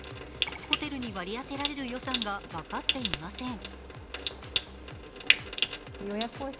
ホテルに割り当てられる予算が分かっていません。